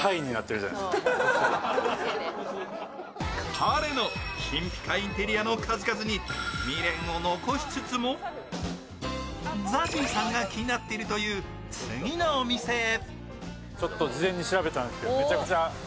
ＫＡＲＥの金ピカインテリアの数々に未練を残しつつもＺＡＺＹさんが気になっているという次のお店へ。